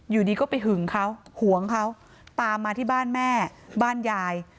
อยู่ดีก็ไปหึงเขาหวงเขาตามมาที่บ้านแม่บ้านยาย